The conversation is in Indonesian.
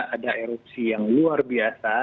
ada erupsi yang luar biasa